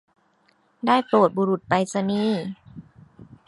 ได้โปรดบุรุษไปรษณีย์